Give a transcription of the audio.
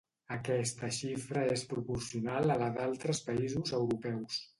Aquesta xifra és proporcional a la d’altres països europeus.